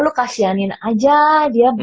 lo kasianin aja dia